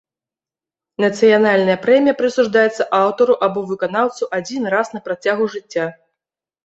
Нацыянальная прэмія прысуджаецца аўтару або выканаўцу адзін раз на працягу жыцця.